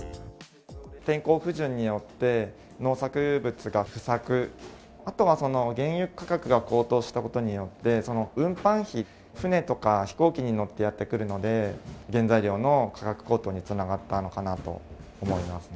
天候不順によって農作物が不作、あとは原油価格が高騰したことによって、その運搬費、船とか飛行機に乗ってやって来るので、原材料の価格高騰につながったのかなと思いますね。